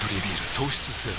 糖質ゼロ